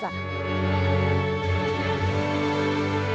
dan bisa memimpin di dalam desa